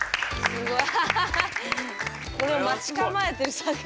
すごい。